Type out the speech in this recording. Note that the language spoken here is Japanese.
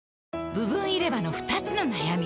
部分入れ歯の２つの悩み